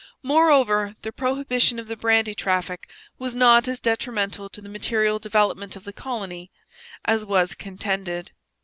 Moreover the prohibition of the brandy traffic was not as detrimental to the material development of the colony as was contended.